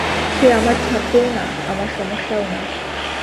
সে আমার ছাত্রও না, আমার সমস্যা ও না।